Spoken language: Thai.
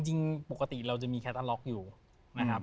จริงปกติเราจะมีแคทอัลล็อกอยู่นะครับ